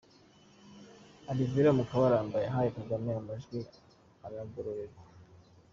–Alvera Mukabaranga yahaye Kagame amajwi aragororerwa.